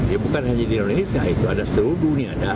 ya bukan hanya di indonesia itu ada seluruh dunia